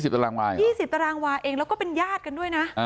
ตารางวาเอง๒๐ตารางวาเองแล้วก็เป็นญาติกันด้วยนะ